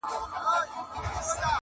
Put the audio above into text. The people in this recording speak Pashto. که پر در دي د یار دغه سوال قبلېږي,